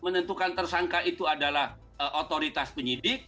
menentukan tersangka itu adalah otoritas penyidik